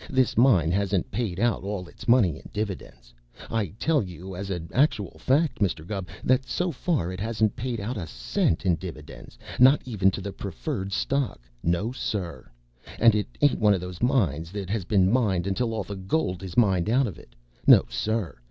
This mine hasn't paid out all its money in dividends. I tell you as an actual fact, Mr. Gubb, that so far it hasn't paid out a cent in dividends, not even to the preferred stock. No, sir! And it ain't one of these mines that has been mined until all the gold is mined out of it. No, sir!